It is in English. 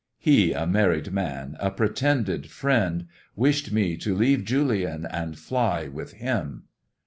He, a married man, a pretended friend, wished me to leave Julian and fly with him."